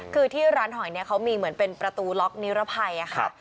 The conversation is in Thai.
คือที่ร้านหอยเนี่ยเขามีเหมือนเป็นประตูล็อกนิรภัยค่ะ